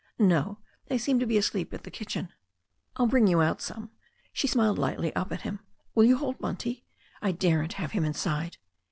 "No. They seemed to be asleep at the kitchen." "I'll bring you out some." She smiled lightly up at him. "Will you hold Bunty? I daren't have him inside."